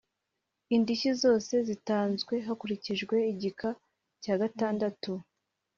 Indishyi zose zitanzwe hakurikijwe igika cya gatandatu